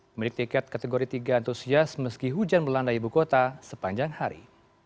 pemilik tiket kategori tiga antusias meski hujan melanda ibu kota sepanjang hari